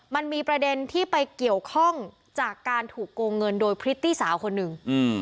มันมีประเด็นที่ไปเกี่ยวข้องจากการถูกโกงเงินโดยพริตตี้สาวคนหนึ่ง